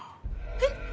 えっ！